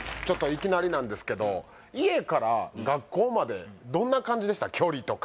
ちょっといきなりなんですけど家から学校までどんな感じでした？